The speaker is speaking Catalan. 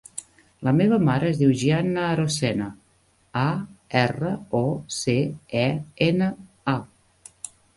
La meva mare es diu Gianna Arocena: a, erra, o, ce, e, ena, a.